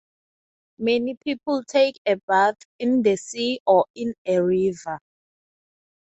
Many people take a bath in the sea or in a river.